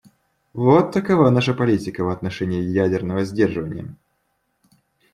Вот такова наша политика в отношении ядерного сдерживания.